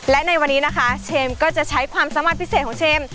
และในวันนี้นะคะเชมก็จะใช้ความสามารถพิเศษของเชม